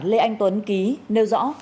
lê anh tuấn ký nêu rõ